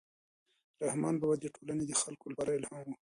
رحمان بابا د ټولنې د خلکو لپاره الهام و.